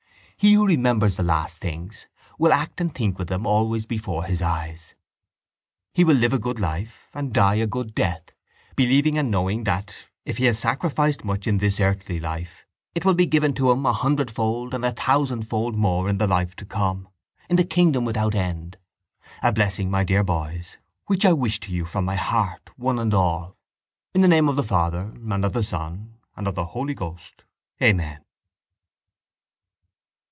He who remembers the last things will act and think with them always before his eyes. He will live a good life and die a good death, believing and knowing that, if he has sacrificed much in this earthly life, it will be given to him a hundredfold and a thousandfold more in the life to come, in the kingdom without end—a blessing, my dear boys, which I wish you from my heart, one and all, in the name of the Father and of the Son and of the Holy Ghost. Amen!